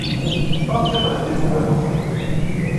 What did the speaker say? Maɣef ay qqlen d ibugaṭuten?